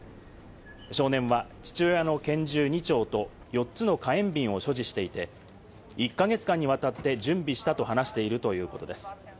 少年は父親の拳銃２丁と４つの火炎瓶を所持していて、１か月間にわたって準備したと話しているということです。